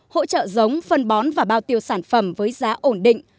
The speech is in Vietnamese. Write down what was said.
hỗ trợ giống phân bón và bao tiêu sản phẩm với giá ổn định